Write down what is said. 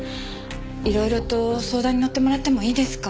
いろいろと相談にのってもらってもいいですか？